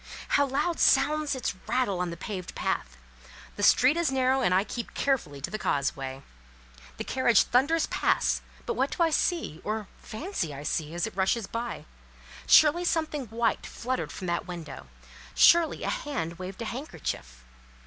How loud sounds its rattle on the paved path! The street is narrow, and I keep carefully to the causeway. The carriage thunders past, but what do I see, or fancy I see, as it rushes by? Surely something white fluttered from that window—surely a hand waved a handkerchief.